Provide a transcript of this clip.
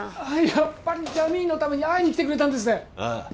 やっぱりジャミーンのために会いに来てくれたんですねああ